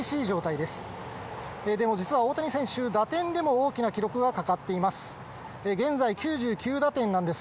でも実は大谷選手、打点でも大きな記録がかかっています。